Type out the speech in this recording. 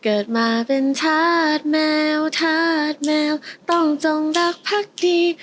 เกิดมาเป็นชาติแมวธาตุแมวต้องจงรักพักดี